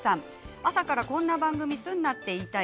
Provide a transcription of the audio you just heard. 朝からこんな番組すんなって言いたい。